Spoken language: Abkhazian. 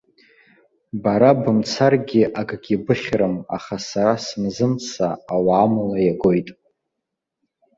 Бара бымцаргьы акгьы быхьрым, аха сара санзымца, ауаа амла иагоит.